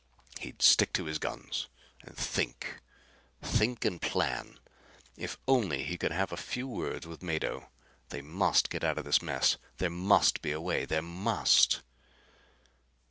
He'd stick to his guns and think; think and plan. If only he could have a few words with Mado. They must get out of this mess. There must be a way! There must!